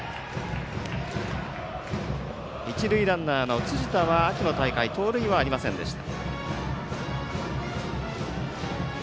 一塁ランナーの辻田は秋の大会盗塁はありませんでした。